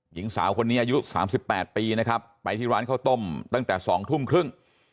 หญิงสาวคนนี้อายุ๓๘ปีนะครับไปที่ร้านข้าวต้มตั้งแต่๒ทุ่มครึ่ง